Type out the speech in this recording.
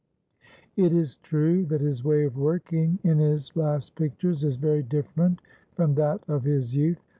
It is true that his way of working in his last pictures is very different from that of his youth.